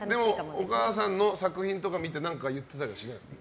でもお母さんの作品とか見て何か言ってたりしないんですか。